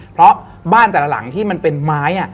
เพราะบ้านแต่ละหลังที่มันเป็นไม้